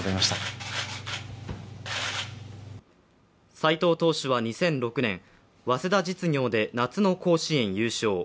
斎藤投手は２００６年、早稲田実業で夏の甲子園優勝。